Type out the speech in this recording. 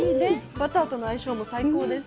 バターとの相性も最高です。